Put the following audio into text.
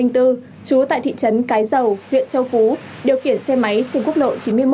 trú tại thị trấn cái dầu huyện châu phú điều khiển xe máy trên quốc lộ chín mươi một